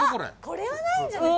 これはないんじゃない？